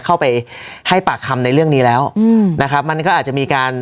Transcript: เข้าไปให้ปากคำในเรื่องนี้แล้วอืมนะครับมันก็อาจจะมีการ